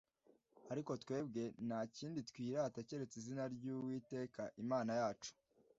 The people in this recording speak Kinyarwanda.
ariko twebwe nta kindi twirata keretse izina ry’Uwiteka Imana yacu